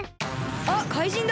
あっかいじんだ。